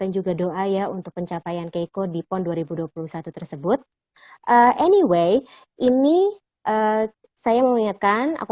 dan juga doa ya untuk pencapaian keiko di pond dua ribu dua puluh satu tersebut anyway ini saya mengingatkan aku